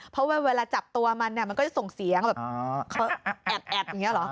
เพราะว่าเวลาจับตัวมันเนี่ยมันก็จะส่งเสียงแบบแอบอย่างนี้เหรอ